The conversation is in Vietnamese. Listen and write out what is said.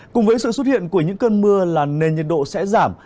cùng với sự xuất hiện của những cơn mưa là nền nhiệt độ sẽ giảm